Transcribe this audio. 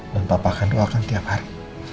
dan papa akan doakan tiap hari